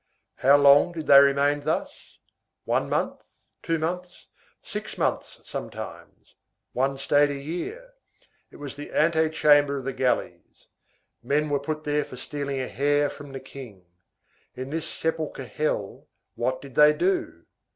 How long did they remain thus? One month, two months, six months sometimes; one stayed a year. It was the antechamber of the galleys. Men were put there for stealing a hare from the king. In this sepulchre hell, what did they do?